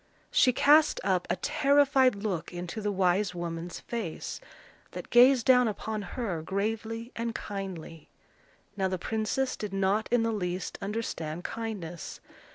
She cast up a terrified look into the wise woman's face, that gazed down upon her gravely and kindly. Now the princess did not in the least understand kindness.